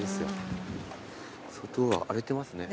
外は荒れてますね。